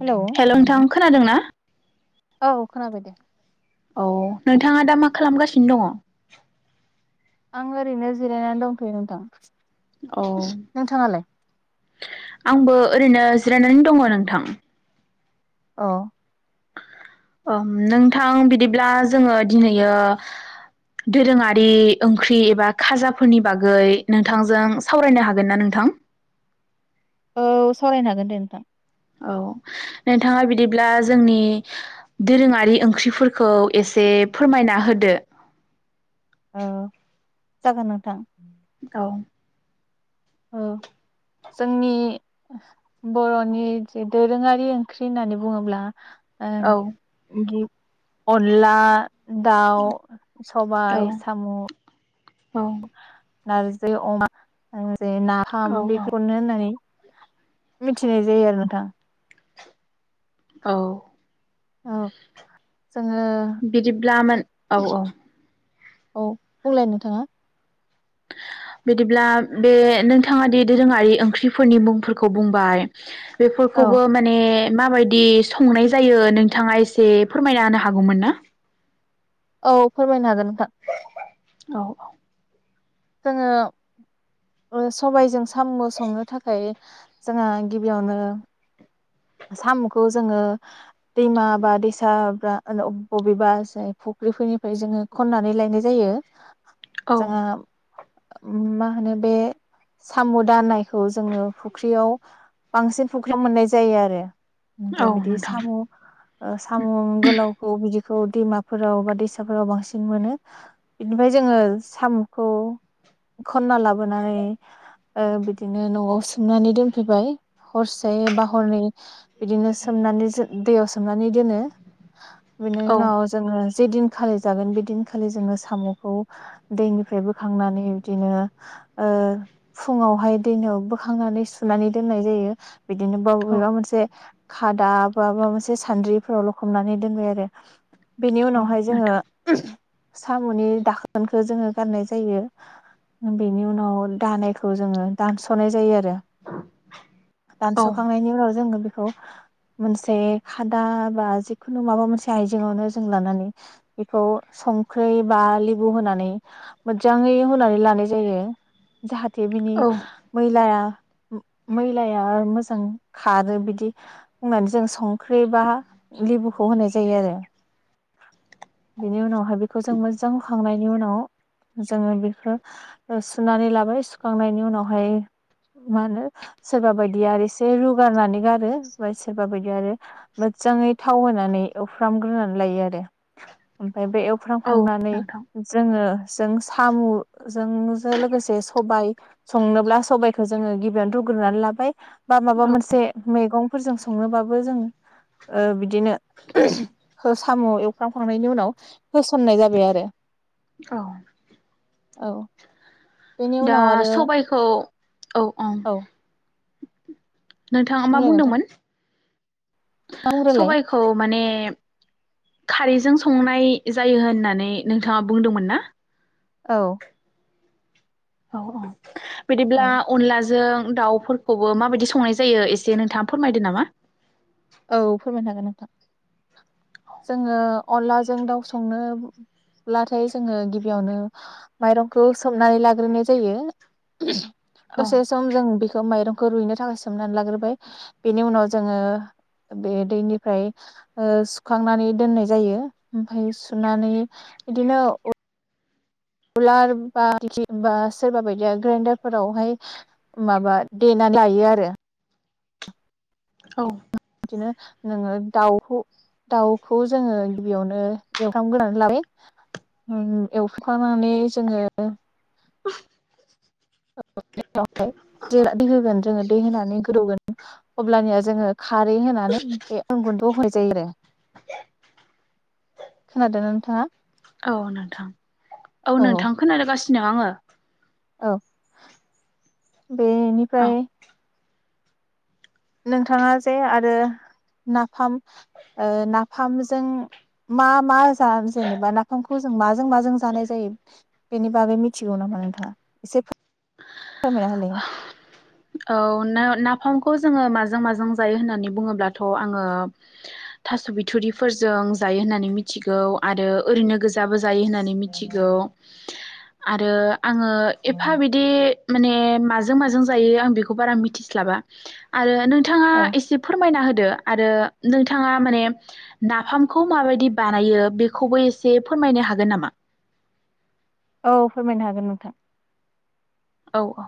Hello hello नोंथां खोनादों ना? औ खोनादो दे। औ नोंथाङा दा मा खालामगासिनो दङ'? आं ओरैनो जिरायना दंथ'यो नोंथां। औ। नोंथाङालाय? आंबो ओरैनो जिरायनानै दङ नोंथां। औ। नोंथां बिदिब्ला जोङो दिनैयो दोरोङारि ओंख्रि एबा खाजाफोरनि बागै नोंथांजों सावरायनो हागोन ना नोंथां? औ सरायनो हागोन दे नोंथां। औ नोंथाङा बिदिब्ला जोंनि दोरोङारि ओंख्रिफोरखौ एसे फोरमायना होदो । औ जागोन नोंथां औ औ जोंनि बर'नि जि दोरोङारि ओंख्रि होननानै बुङोब्ला औ ओ अनला दाउ सबाय साम' औ। नारजि अमा जे औ नाफाम औ बेखौनो होननानै मिथिनाय जायो आरो नोंथां औ औ जोङो बिदिब्लामोन औ औ औ बुंलाय नोंथाङा बिदिब्ला बे नोंथाङा दि दोरोङारि ओंख्रिफोरनि मुंफोरखौ बुंबाय औ बेफोरखौबो माने माबायदि संनाय जायो नोंथाङा एसे फोरमायना होनो हागौमोन ना? औ फोरमायनो हागोन नोंथां। औ औ जोङो ओ सबायजों साम' संनो थाखाय जोंहा गिबियावनो साम'खौ जोङो दैमा बा दैसा बा बबेबा ज फुख्रिफोरनिफ्राय जोङो खन्नानै लायनाय जायो। जोङो औ मा होनो बे साम'-दानायखौ जोङो फुख्रियाव बांसिन फुख्रियाव मोननाय जायो आ रो औ ओमफ्राय बिदि नोंथां सामु' ओ सामु' गोलावखौ बिदि खौ दैमाफोराव बा दैसाफोराव बांसिन मोनो। बिनिफ्राय जोङो साम'खौ खन्ना लाबोनानै ओ बिदिनो न'आव सोमनानै दोनफैबाय हरसे बा हरनै बिदिनो सोमनानै जो दैयाव सोमनानै दोनो बिनि औ उनाव जोङो जे दिनखालि जागोन बेदिनखालि जोङो साम'खौ दैनिफ्राय बोखांनानै बिदिनो ओ फुुंङावहाय दैनो बोखांनानै सुनानै दोननाय जायो। बिदिनो औ बाबेबा मोन से खादा बा माबा मोनसे सान्द्रिफोरावल' लखबनानै दोनबाय आरो। बेनि औ उनावहाय जोङो नोंथां साम'नि दाखोनखौ जोङो गाननाय जायो बेनि उनाव दानायखौ जोङो दानस'नाय जायो आ रो औ ।दानस'खांनायनि उनाव जोङो खौ मोनसे खादा बा जिखुनु माबा मोनसे आइजेंआवनो जों लानानै बेखौ संख्रै बा लेबु होनानै मोदजाङै हुनानै लानाय जायो जाहा थे बिनि औ मैलाया म मैलाया मोजां खारो बिद दि बुंनानै जों संख्रि बा लेबुखौ होनाय जायो आरो। बेनि उनाव [unintelligible] बेखौ जों हुखांनाय बेनि उनाव जोङो बेखो ओ सुनानै लाबाय सुखांनायनि उनावहाय मा होनो सोरबा बायदिया रेसे रुगारनानै गारो बा सोरबाबायदिया आरो मोदजाङै थाव होनानै एवफ्रामग्रोनानै लायो आरो। ओमफाय बे औ एवफ्रामखांनानै नोंथां जोङो जों साम' जों जो लोगोसे सबाय संनोब्ला सबायखो जोङो गिबियावनो रुग्रोनानै लाबाय बा माबा औ मोनसे मैगं फोरजों संनोबाबो जों ओ बिदिनो साम' एवफ्रामखांनायनि उनाव होसननाय जाबाय आरो। औ औ बेनि दा उनाव आरो सबायखौ औ ओं नोंथाङा मा बुंलाय नोंथां बुंदोंमोन? नोंथां बुंग्रोलाय सबाइखौ माने [unintelligible] खारैजों संनाय जायो होननानै नोंथाङा बुंदोंमोन ना औ औ औ बिदिब्ला औ अनलाजों दाउफोरखौबो माबायदि संनाय जायो एसे नोंथाङा फोरमायदो नामा औ फोरमायनो हागोन नोंथां जोङो अनलाजों दाउ संनोब्लाथाय जोङो गिबियावनो माइरंखौ सोमनानै लाग्रोनाय जायो औ दसे सम जों बेखो माइरं खौ रुइैनो थाखाय सोमनानै लाग्रोबाय बेनि उनाव जोङो बे दैनिफ्राय ओ‌‌ सुखांनानै दोननाय जायो ओमफाय सुनानै बिदिनो अ उलार बा दिंखि बा सोरबा बायदिया ग्रेइन्दारफोरावहाय माबा देनानै लायो आरो औ बिदिनो नोङो दाउखौ दाउखौ जोङो गिबियावनो एवफ्रामग्रोनानै लाबाय उम एवखांनानै जोङो [inaudible] [unintelligible] जेला दै होगोन जोङो दै होनानै गोदौगोन अब्लानिया जोङो खारै होनानै बे अन [unintelligible] [unintelligible] खोनादों ना नोंथाङा औ नोंथां औ नोंथां [unintelligible] नो आङो औ औ बेनिफ्राय नोंथाङा जे आरो नाफाम ओ नाफामजों मा मा जा जेनेबा नाफामखौ जों माजों माजों जानाय जायो बेनि बागै मिथिगौ नामा नोंथाङा एसे फोरमायना होलाय औ नाव‌ नाफामखौ जोङो माजों माजों जायो होननानै बुङोब्लाथ' आङो थास' बिथुरिफोरजों जायो होननानै मिथिगौ आरो ओरैनो गोजाबो जा जायो होननानै मिथिगौ। आरो आङो एफा बिदि माने माजों माजों जायो आं बेखौ‌ बारा मिथिस्लाबा आरो नोंथाङा औ एसे फोरमायना हो दो‌ आरो नोंथाङा माने नाफामखौ माबायदि बानायो बेखौबो एसे फोरमायनो हागोन नामा? औ फोरमायनो हागोन नोंथां। औ औ।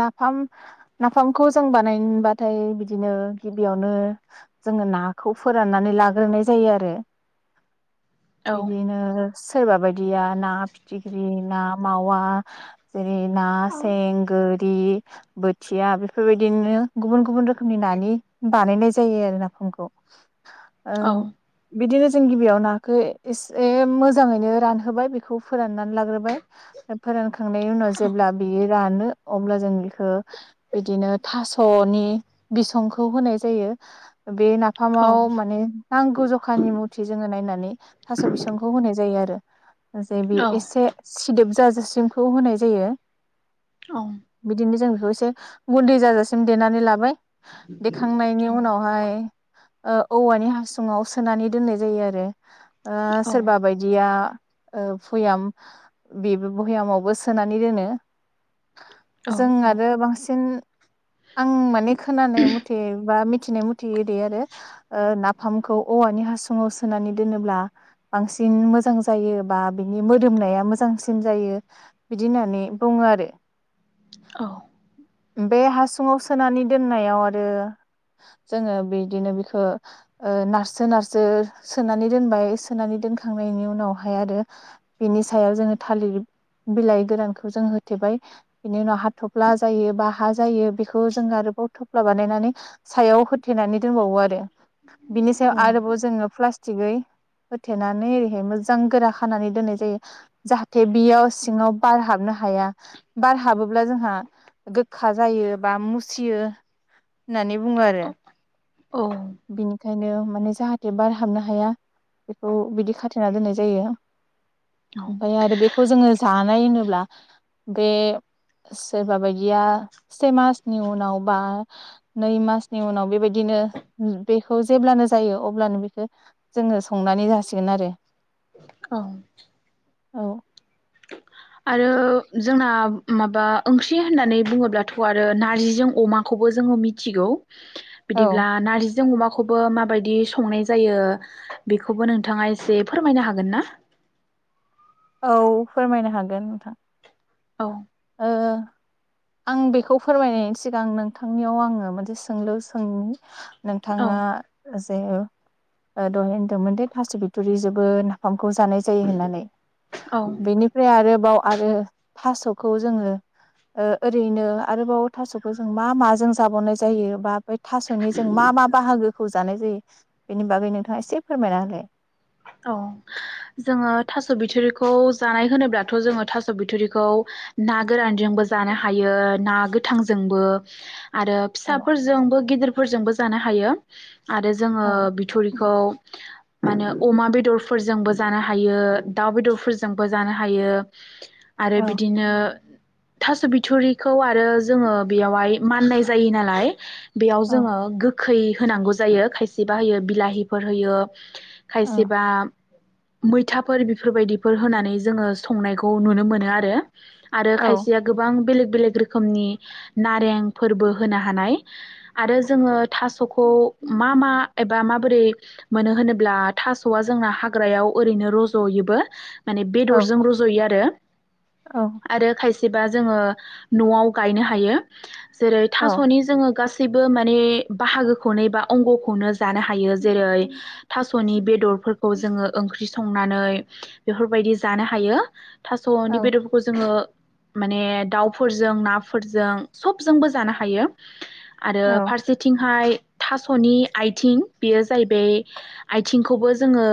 नाफाम नाफामखौ जों बानायनोबाथाय बिदिनो गिबियावनो जोङो नाखौ फोराननानै लाग्रोनाय जायो आरो। औ बिदिनो सोरबा बायदिया ना फिथिख्रि ना मावा जेरै ना सें गोरि बोथिया बेफोरबायदिनो गुबुन गुबुन रोखोम नि नानि बानायनाय जायो आरो नाफामखौ। ओं औ बिदिनो जों गिबियाव नाखौ एसे मोजाङैनो रानहोबाय बेखौ फोरनानै लाग्रोबाय फोर रान खांनायनि उनाव जेब्ला रानो अब्ला जों बेखौ बिदिनो थास'नि बिसंखौ होनाय जायो। बे औ नाफामाव माने नांगौ जखानि मुरथि जोङो नायनानै थास' बिसंखौ होनाय जायो आरो। जे बे एसे सिदोब जाजोसिमखौ होनाय जायो। औ बिदिनो जों बेखौ एसे गुन्दै जाजासिम देनानै लाबाय देखांनायनि उनावहाय ओ औवानि हासुङाव सोनानै दोननाय जायो आरो। औ सोरबा बायदिया ओ भयाम बेबो भयामावबो सोनानै दोनो। औ जों आरो बांसिन आं माने खोनानाय मथे बा मिथिनाय मुथेयो दे आरो नाफामखौ औवानि हासुङाव सोनानै दोनोब्ला बांसिन मोजां जायो बा बिनि मोदोमनाया मोजांसिन जायो बिदि होननानै बुङो आरो। औ। बे हासुङाव सोनानै दोननायाव आरो जोङो बिदिनो बिखौ नारसो नारसो सोनानै दोनबाय सोनानै दोनखांनायनि उनावहाय आरो बिनि सायाव जोङो थालिर बिलाइ गोरानखौ जों होथेबाय बिनि उनाव हाथ'फ्ला जायो बा हा जायो बेखौ जों आरोबाव थफ्ला बानायनानै सायाव होथेनानै दोनबावो आरो। बिनि सायाव औ आरोबाव जोङो प्ला थिगै होथेनानै ओरैहाय मोजां गोरा खानानै दोननाय जायो जाहाथे बेयाव सिङाव बार हाबनो हाया बार हाबोब्ला जोंहा गोखा जायो बा मुसियो होननानै बुङो आरो। औ। बिनिखायनो माने जाहाथे बार हाबनो हाया बेखौ बिदि खाथेना दोननाय जायो औ । आमफ्राय आरो बे खौ जोङो जानाय होनोब्ला बे सोरबा बायदिया से मासनि उनाव बा नै मासनि उनाव बेबायदिनो बेखौ जेब्लानो जायो अब्लानो बेखौ जोङो संनानै जासिगोन आरो औ। औ। आरो जोंना माबा ओंख्रि होननानै बुङोब्लाथ' आरो नार्जिजों अमाखौबो जोङो मिथिगौ। औ बिदिब्ला नारजि जों अमाखौबो माबायदि संनाय जायो बेखौबो नोंथाङा एसे फोरमायनो हागोन ना? औ फोरमायनो हागोन नोंथां। औ। ओ आं बेखौ फोरमायनायनि सिगां नोंथांनियाव आङो मोनसे सोंलु सोंनि । औ नोंथाङा दहाय होनदोंमोन दे थास बिथरि जोबोर नाफाम खौ जानाय जायो होननानै औ बेनिफ्राय आरो। बाव आरो थास खौ जोङो ओ ओरैनो आरोबाव थासखौ जों मा माजों जाबावनाय जायो बा बे थासनि जों मा मा बाहागो खौ जानाय जायो बेनि बागै नोंथाङा एसे फोरमायना होलाय। औ जोङो थास बिथरिखौ जानाय होनोब्लाथ जोङो थास बिथरिखौ ना गोरानजोंबो जानो हायो ना गोथांजोंबो आरो फिसाफोरजोंबो गिदिर फोरजोंबो जानो हायो। आरो जोङो औ बिथरिखौ मानो अमा बेदरफोरजोंबो जानो हायो दाउ बेदरफोरजोंबो जानो हायो । आरो औ बिदिनो थास बिथरिखौ आरो जोङो बेयावहाय माननाय जायो नालाय बेयाव जोङो गो खै होनांगौ जायो खायसे बा होयो बिलाहिफोर होयो औ खायसेबा मैथाफोर बेफोरबायदिफोर होनानै जोङो संनायखौ नुनो मोनो आरो। आरो औ खायसेया गोबां बेलेग बेलेग रोखोम रोखोमनि नारें फोरबो होनो हानाय आरो जोङो थासखौ मा मा एबा माबोरै मोनो होनोब्ला थासआ जोंना हाग्रायाव ओरैनो रजयोबो। माने औ बेदरजों रजयो आरो। औ आरो खाय एबा जोङो नआव गायनो हायो जेरै औ थासनि जोङो गास गासैबो माने बाहागोखौ एबा अंगखौनो जानो हायो जेरै थास सनि बेदरफोरखौ जोङो ओंख्रि संनानै बेफोरबायदि जानो हायो थासनि बेदरफोरखौ जोङो माने दाउफोरजों नाफोरजों सबजोंबो जानो हायो आरो फारसेथिंहाय थासनि आइथिं बेयो जाहैबाय आथिंखौबो जोङो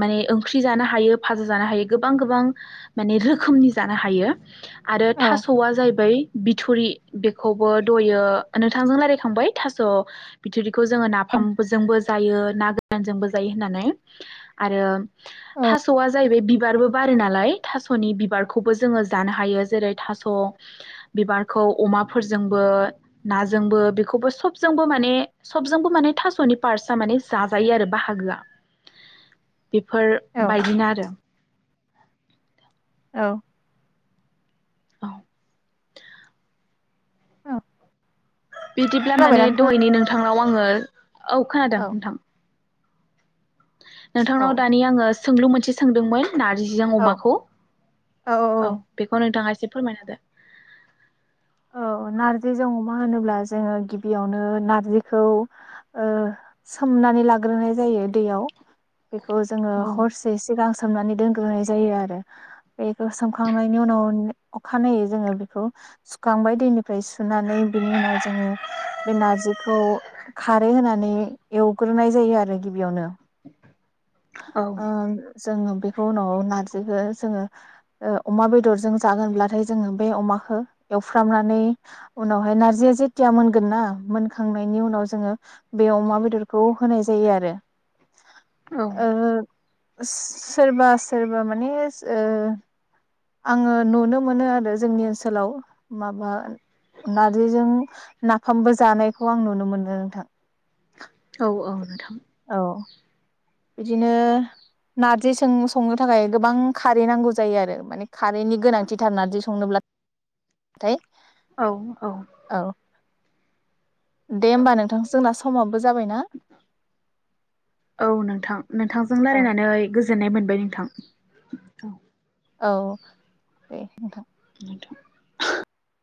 माने ओंख्रि जानो हायो फाजा जानो हायो गोबां गोबां माने रोखोमनि जानो हायो आरो औ थासआ जाहैबाय बिथ बिथुरि बेखौबो दयो नोंथांजों रायलायखांबाय थास बिथरि खौ जोङो नाफामजोंबो जायो ना गोरानजोंबो जायो होननानै आरो थास'आ जाहैबाय बिबारबो बिबार बारो नालाय थास'नि बिबारखौबो जोङो जानो हायो जेरै थास' बिबारखौ अमाजोंबो नाजोंबो बेखौबो सबबो माने सबो मान थास'नि पार्टसआ माने जाजायो आरो बाह बाहागोआ औ बेफोरबायदिनो आरो औ औ औ बिदिब्ला माने खोनाबायना नोंथाङा दहायनि नोंथाङा आव आङो औ खोनादों औ नोंथां औ नोंथांनाव दानि आङो सोंलु मोनसे सोंदोंमोन नारजिजों अमाखौ औ बेखौ नोंथाङा एसे फोरमायना होदो औ नार्जिजों अमा होनोब्ला जोङो गिबियावनो नारजिखौ ओ सोमनानै लाग्रोनाय जायो दैयाव बेखौ जोङो हरसे सिगां स सोमनानै दोनग्रोनाय जायो आरो बेखौ सोमखांनायनि उनाव अखानायै जोङो बेखौ सु सुखांबाय दैनिफ्राय सुनानै बिनि उनाव जोङो बे नारजिखौ खारै होनानै एवग्रोनाय जायो आरो गिबियावनो औ ओ जोङो बेखौ उनाव नारजिखौ जोङो अमा बेदरजों जागोनब्लाथाय जोङो बे अमाखौ एवफ्रामनानै उनावहाय नार्जिया जेथिया मोनगोन ना मोनखांनायनि उनाव जोङो बे अमा बेदरखौ होनाय जायो आरो ओ सोरबा सोरबा माने आङो नुनो मोनो आरो जोंनि ओनसोलाव माबा नारजिजों नाफामबो जानायखौ आं नुनो मोनो नोंथां औ औ नोंथां औ बिदिनो नारजि संनो थाखाय गोबां खारै नांगौ जायो आरो माने खारैनि गोनांथिथार नार्जि संनोब्लाथाय औ औ दे होमबा नोंथां जोंना समा औ नोंथां नोंथांजों औ रायलायनानै गोजोननाय मोनबाय नोंथां औ औ दे नोंथां [inaudible]